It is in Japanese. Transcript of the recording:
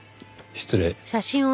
失礼。